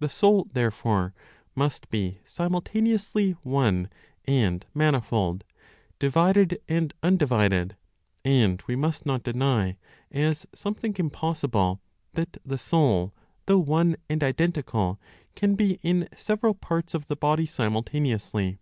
The soul, therefore, must be simultaneously one and manifold, divided and undivided, and we must not deny, as something impossible, that the soul, though one and identical, can be in several parts of the body simultaneously.